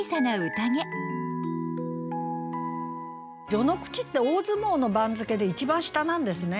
「序の口」って大相撲の番付で一番下なんですね。